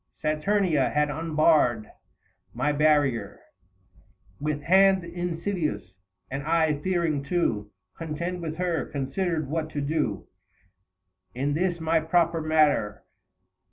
Saturnia had unbarred my barrier With hand insidious ; and I, fearing to Contend with her, considered what to do 285 In this my proper matter.